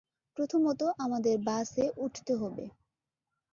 প্রথমত, আমাদের বাসে উঠতে হবে।